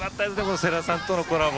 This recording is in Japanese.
この世良さんとのコラボ。